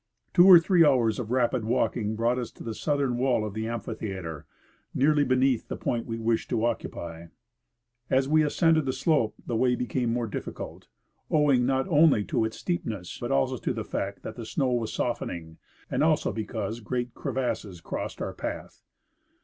Two or three hours of rapid walking brought us to the southern wall of the amphitheatre, nearly beneath the point we wished to occupy. As we ascended the slope the way became more diffi cult, owing not only to its steepness but also to the fact that the snow was softening, and also because great crevasses crossed our path.